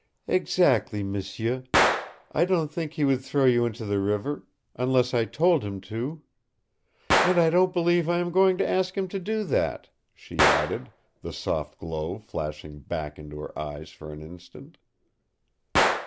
"Exactly, m'sieu. I don't think he would throw you into the river unless I told him to. And I don't believe I am going to ask him to do that," she added, the soft glow flashing back into her eyes for an instant.